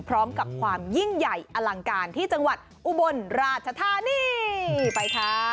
พร้อมกับความยิ่งใหญ่อลังการที่จังหวัดอุบลราชธานีไปค่ะ